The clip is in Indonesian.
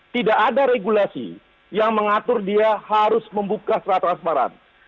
tidak ada regulasi yang mengatur dia harus membuka secara transparan